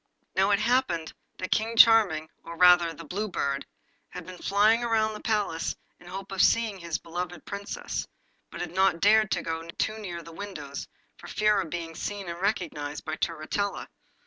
Now it happened that King Charming, or rather the Blue Bird, had been flying round the palace in the hope of seeing his beloved Princess, but had not dared to go too near the windows for fear of being seen and recognised by Turritella.